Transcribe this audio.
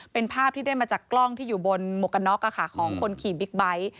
เป็นภาพที่ได้มาจากกล้องที่อยู่บนหมวกกันน็อกของคนขี่บิ๊กไบท์